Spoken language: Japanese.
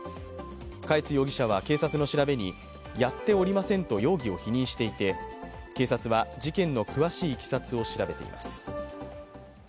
嘉悦容疑者は警察の調べにやっておりませんと容疑を否認していて警察は事件の詳しいいきさつを調べています。